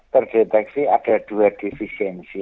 terdeteksi ada dua defisiensi